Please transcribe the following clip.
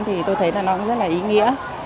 thì tôi thấy nó rất là ý nghĩa